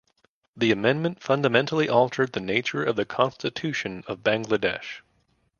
The amendment fundamentally altered the nature of the constitution of Bangladesh.